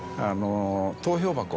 投票箱